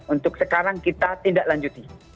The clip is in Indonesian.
untuk sekarang kita tindak lanjuti